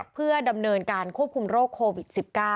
เพื่อดำเนินการควบคุมโรคโควิด๑๙